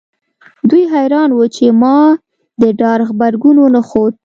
دوی حیران وو چې ما د ډار غبرګون ونه ښود